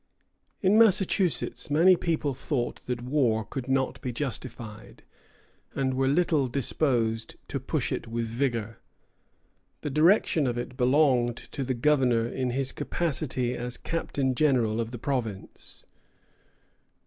In Massachusetts many persons thought that war could not be justified, and were little disposed to push it with vigor. The direction of it belonged to the governor in his capacity of Captain General of the Province.